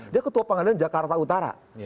dia ketua pengadilan jakarta utara